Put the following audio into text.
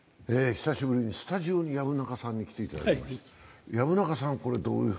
久しぶりにスタジオに薮中さんに来ていただきました。